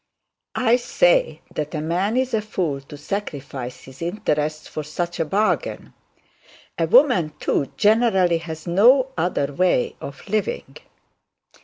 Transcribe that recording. I say that a man is a fool to sacrifice his interests for such a bargain. A woman, too generally, has no other way of living.'